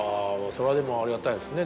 それはでもありがたいですね。